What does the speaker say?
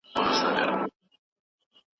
څېړونکی باید تل حقیقت ووایي.